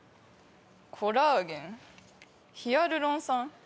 コラーゲンヒアルロン酸。